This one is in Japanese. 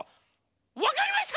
わかりました！